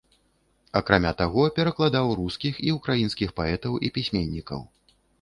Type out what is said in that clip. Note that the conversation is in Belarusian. Акрамя таго перакладаў рускіх і ўкраінскіх паэтаў і пісьменнікаў.